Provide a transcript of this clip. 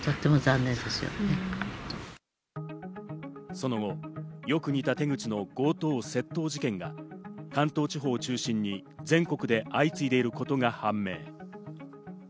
その後、よく似た手口の強盗・窃盗事件が関東地方を中心に全国で相次いでいることが判明。